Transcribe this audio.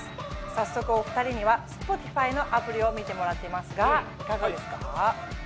早速お２人にはＳｐｏｔｉｆｙのアプリを見てもらっていますがいかがですか？